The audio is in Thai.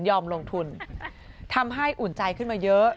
ลงทุนทำให้อุ่นใจขึ้นมาเยอะ